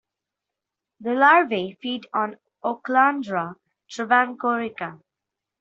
The larvae feed on "Ochlandra travancorica".